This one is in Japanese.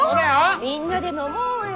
みんなで飲もうよ。